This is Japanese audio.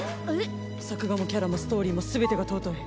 作画もキャラもストーリーも全てが尊い！